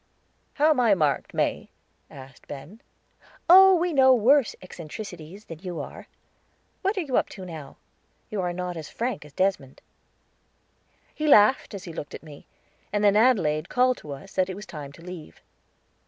"How am I marked, May?" asked Ben. "Oh, we know worse eccentrics than you are. What are you up to now? You are not as frank as Desmond." He laughed as he looked at me, and then Adelaide called to us that it was time to leave.